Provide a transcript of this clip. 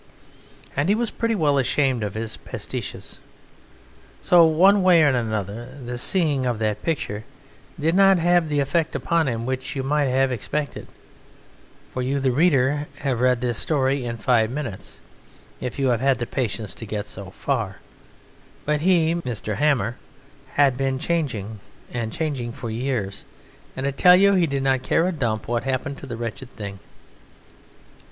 And he was pretty well ashamed of his pastiches; so, one way and another, the seeing of that picture did not have the effect upon him which you might have expected; for you, the reader, have read this story in five minutes (if you have had the patience to get so far), but he, Mr. Hammer, had been changing and changing for years, and I tell you he did not care a dump what happened to the wretched thing.